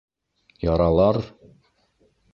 Яралар?